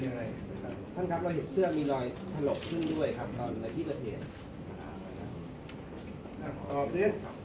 ก็จะเสียชีวิตโดย